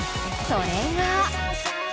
それが。